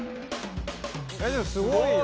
すごいよ。